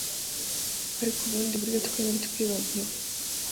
Ariko ubundi buryo twembi twibagiwe